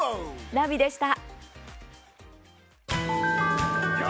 ナビでした。